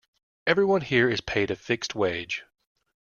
Everyone here is paid a fixed wage.